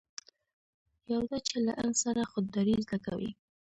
یو دا چې له علم سره خودداري زده کوي.